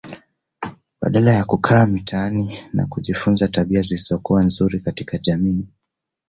Badala ya kukaa mitaani na kujifunza tabia zisizokuwa nzuri katika jamii